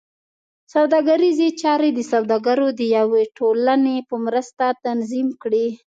سوداګریزې چارې د سوداګرو د یوې ټولنې په مرسته تنظیم کړې.